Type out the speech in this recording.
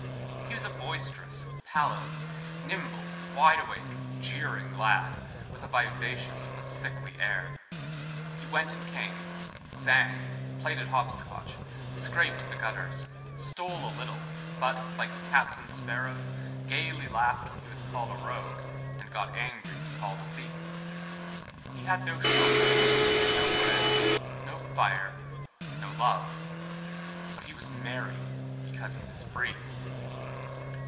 He was a boisterous, pallid, nimble, wide awake, jeering, lad, with a vivacious but sickly air. He went and came, sang, played at hopscotch, scraped the gutters, stole a little, but, like cats and sparrows, gayly laughed when he was called a rogue, and got angry when called a thief. He had no shelter, no bread, no fire, no love; but he was merry because he was free.